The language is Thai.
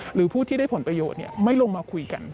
หรือผู้ที่ได้ผลประโยชน์ไม่ลงมาคุยกัน